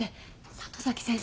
里崎先生。